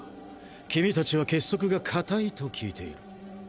君達は結束が固いと聞いている。